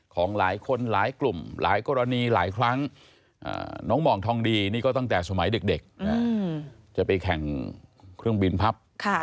ของหลายคนหลายกลุ่มหลายกรณีหลายครั้งน้องหมองทองดีนี่ก็ตั้งแต่สมัยเด็กจะไปแข่งเครื่องบินพับ